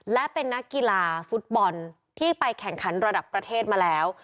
และเป็นนักกีฬาฟุตบอลที่ไปแข่งขันระดับประเทศมาแล้ว